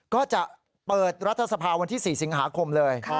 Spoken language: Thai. ก็จะเปิดรัฐสภาวันที่๔สิงหาคมเลย